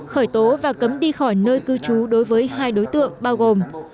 khởi tố và cấm đi khỏi nơi cư trú đối với hai đối tượng bao gồm